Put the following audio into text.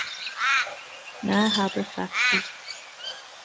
Ná habair faic faoi.